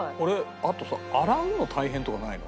あとさ洗うの大変とかないの？